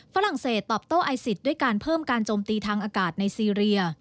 ฝรั่งเศสตอบโต้ไอซิสด้วยการเพิ่มการโจมตีทางอากาศในซีเรีย